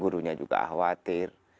gurunya juga khawatir